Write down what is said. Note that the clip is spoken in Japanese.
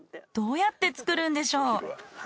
どうやって作るんでしょう。